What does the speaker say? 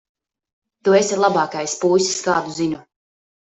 Tu esi labākais puisis, kādu zinu.